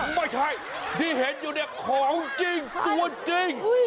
ไม่ใช่ที่เห็นอยู่เนี่ยของจริงตัวจริง